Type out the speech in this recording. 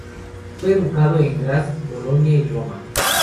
Fue educado en Graz, Bolonia y Roma.